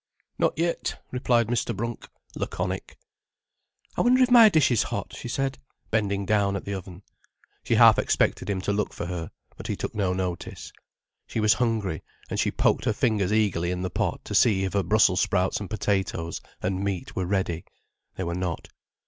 "Not yet," replied Mr. Brunt, laconic. "I wonder if my dish is hot," she said, bending down at the oven. She half expected him to look for her, but he took no notice. She was hungry and she poked her finger eagerly in the pot to see if her brussels sprouts and potatoes and meat were ready. They were not.